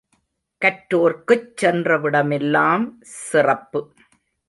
கற்றோர்க்குச் சென்றவிடமெல்லாம் சிறப்பு!